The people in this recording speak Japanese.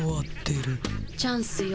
チャンスよ